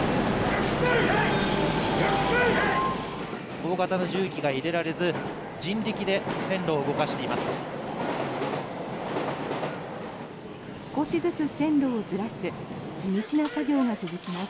大型の重機が入れられず人力で線路を動かしています。